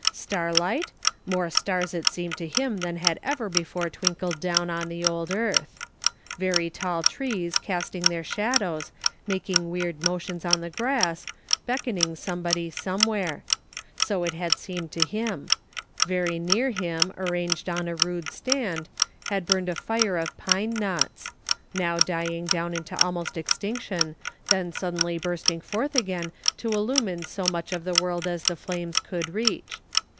Starlight ? More stars it seemed to him than had ever before twinkled down on the old earth ; very tall trees casting their shadows, making weird motions on the grass, beckoning somebody somewhere ; so it had seemed OPPORTUNITY. 47 to him ; very near him, arranged on a rude stand, had burned a fire of pine knots ; now dying down into almost extinction, then suddenly bursting forth again to illumine so much of the world as the flames could reach.